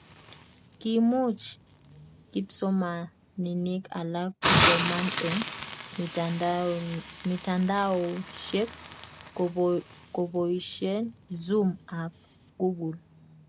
kiimuch kipsomaninik alak kusoman eng' mitandaosiek koboisien zoom ak google